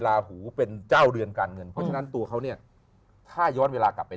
ลาหูเป็นเจ้าเรือนการเงินเพราะฉะนั้นตัวเขาเนี่ยถ้าย้อนเวลากลับไป